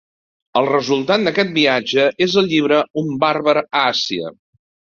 El resultat d'aquest viatge és el llibre "Un Bàrbar a Àsia".